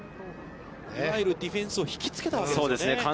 いわゆるディフェンスを引きつけたわけですね。